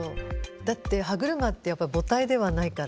だって歯車ってやっぱ母体ではないから。